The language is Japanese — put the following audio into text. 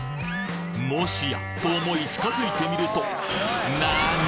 もしやと思い近づいてみるとなに！？